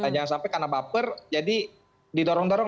jangan sampai karena baper jadi didorong dorong